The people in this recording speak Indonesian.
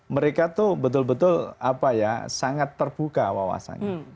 mereka tuh betul betul apa ya sangat terbuka wawasannya